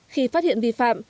khi phát hiện vi phạm